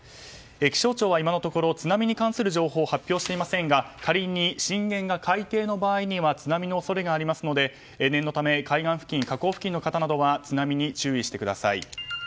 気象庁は今のところ津波に関する情報を発表していませんが仮に震源が海底の場合には津波の恐れがありますので念のため海岸付近、河口付近の方は津波に注意してください。